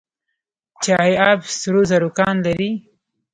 چاه اب سرو زرو کان لري؟